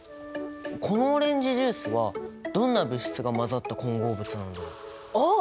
このオレンジジュースはどんな物質が混ざった混合物なんだろう？おっ！